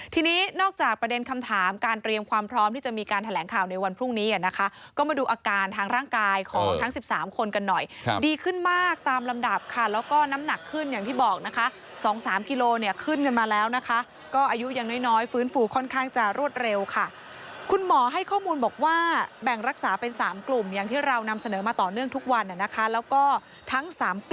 ทีนี้นอกจากประเด็นคำถามการเตรียมความพร้อมที่จะมีการแถลงข่าวในวันพรุ่งนี้นะคะก็มาดูอาการทางร่างกายของทั้ง๑๓คนกันหน่อยดีขึ้นมากตามลำดาบค่ะแล้วก็น้ำหนักขึ้นอย่างที่บอกนะคะสองสามกิโลเนี่ยขึ้นกันมาแล้วนะคะก็อายุอย่างน้อยฟื้นฟูค่อนข้างจะรวดเร็วค่ะคุณหมอให้ข้อมูลบอกว่าแบ่งรักษาเป็น